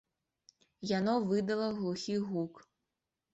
Яно выдала глухі гук.